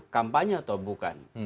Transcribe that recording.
kampanye atau bukan